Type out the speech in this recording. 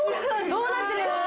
どうなってる？